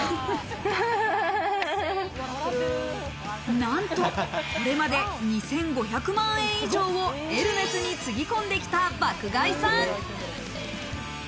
なんと、これまで２５００万円以上をエルメスにつぎ込んできた爆買いさん。